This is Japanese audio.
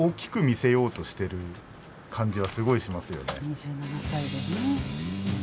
２７歳でね。